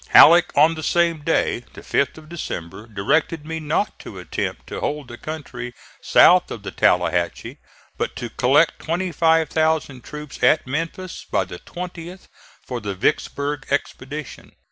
Halleck on the same day, the 5th of December, directed me not to attempt to hold the country south of the Tallahatchie, but to collect 25,000 troops at Memphis by the 20th for the Vicksburg expedition.